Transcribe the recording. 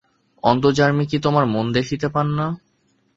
অন্তর্যামী কি তােমার মন দেখিতে পান না?